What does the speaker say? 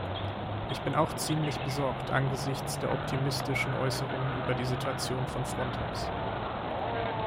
Ich bin auch ziemlich besorgt angesichts der optimistischen Äußerungen über die Situation von Frontex.